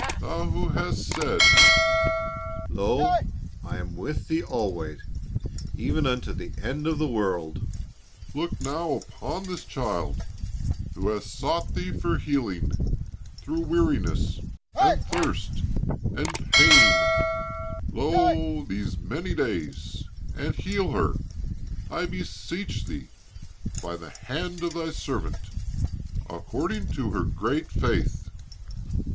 "Thou who hast said, 'Lo, I am with thee alway even unto the end of the world,' look now upon this child who hath sought thee for healing, through weariness, and thirst, and pain, lo, these many days; and heal her, I beseech thee, by the hand of thy servant, according to her great faith."